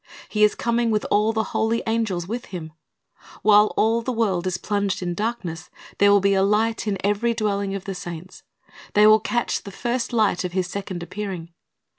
He is coming with all the holy angels with Him. While all the world is plunged in darkness, there will be light in every dwelling of the saints. They will catch the first Hght of His second appearing.